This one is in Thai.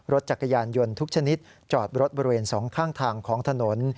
รถจักรยานยนต์ทุกชนิดจอดรถบริเวณสองข้างทางของถนน